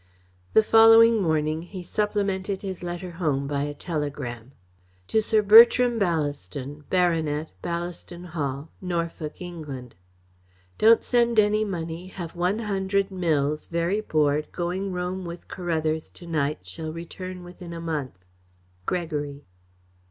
The following morning he supplemented his letter home by a telegram: To Sir Bertram Ballaston, Baronet, Ballaston Hall, Norfolk, England. Don't send any money have won hundred milles very bored going Rome with Carruthers to night shall return within a month. GREGORY.